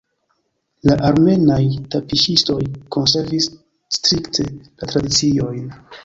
La armenaj tapiŝistoj konservis strikte la tradiciojn.